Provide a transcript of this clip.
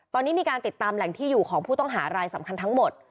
ตอนนี้มีการติดตามแหล่งที่อยู่ของผู้ต้องหารายสำคัญทั้งหมด